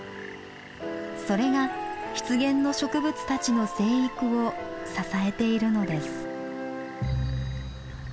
それが湿原の植物たちの生育を支えているのです。